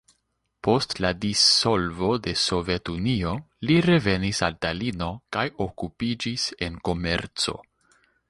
Post la dissolvo de Sovetunio li revenis al Talino kaj okupiĝis en komerco.